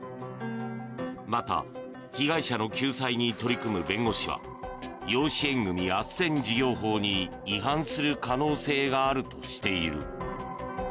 また被害者の救済に取り組む弁護士は養子縁組あっせん事業法に違反する可能性があるとしている。